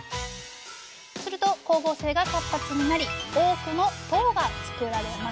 すると光合成が活発になり多くの糖が作られます。